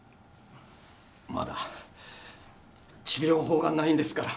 まだ治療法がないんですから